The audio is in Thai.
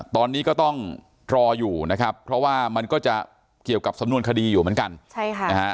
ตอนนี้ก็ต้องรออยู่นะครับเพราะว่ามันก็จะเกี่ยวกับสำนวนคดีอยู่เหมือนกันใช่ค่ะนะฮะ